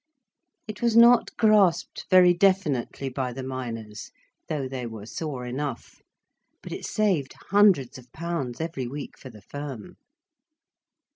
It was not grasped very definitely by the miners, though they were sore enough. But it saved hundreds of pounds every week for the firm.